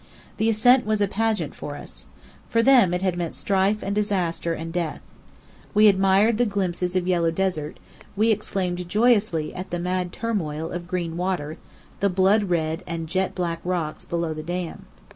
The ascent was a pageant for us. For them it had meant strife and disaster and death. We admired the glimpses of yellow desert: we exclaimed joyously at the mad turmoil of green water, the blood red and jet black rocks, below the Dam.